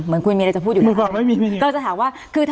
เหมือนคุณมีอะไรจะพูดอยู่ไม่มีไม่มีก็จะถามว่าคือถ้า